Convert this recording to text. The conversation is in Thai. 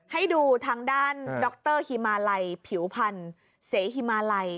ให้ดูทางด้านดรฮิมาลัยผิวพันธ์เสฮิมาลัย